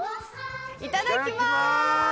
いただきます。